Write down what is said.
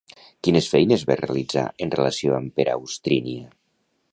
Quines feines va realitzar en relació amb Peraustrínia?